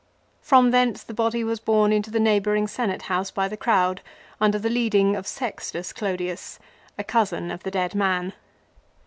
From thence the body was borne into the neighbouring Senate house l by the crowd, under the leading of Sextus Clodius, a cousin of the dead man.